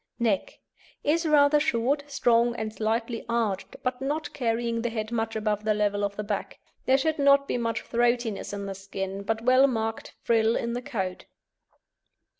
NECK Is rather short, strong, and slightly arched, but not carrying the head much above the level of the back. There should not be much throatiness in the skin, but well marked frill in the coat.